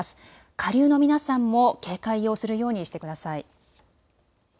下流の皆さんも警戒をするようにしてください。